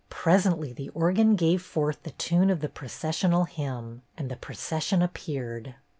Presently the organ gave forth the tune of the processional hymn, and the procession ap peared.